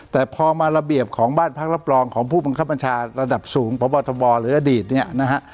แต่พอมาระเบียบของบ้านพักรับรองของผู้บังคับบัญชาระดับสูงพบทบหรืออดีตเนี่ยนะฮะ